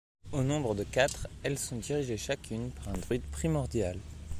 Au nombre de quatre, elles sont dirigées chacune par un druide primordial.